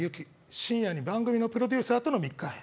深夜に番組のプロデューサーとの密会